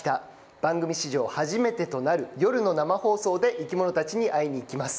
番組史上初めてとなる夜の生放送で生き物たちに会いに行きます。